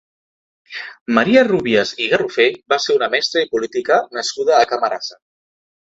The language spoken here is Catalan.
Maria Rúbies i Garrofé va ser una mestra i política nascuda a Camarasa.